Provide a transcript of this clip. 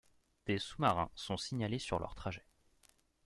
Des sous-marins sont signalés sur leur trajet...